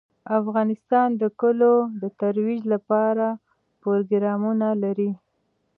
افغانستان د کلیو د ترویج لپاره پروګرامونه لري.